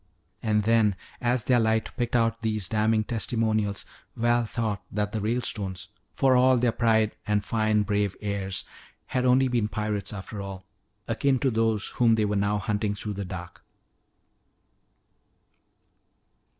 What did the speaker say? And then as their light picked out these damning testimonials, Val thought that the Ralestones, for all their pride and fine, brave airs, had been only pirates after all, akin to those whom they were now hunting through the dark.